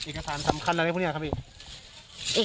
เอกสารสำคัญอะไรครับพี่